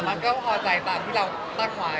แต่มันก็พอใจตามที่เราตอบไว้